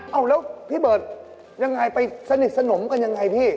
เอาแล้วพี่เบิร์ตยังไงไปสนิทสนมกันยังไงพี่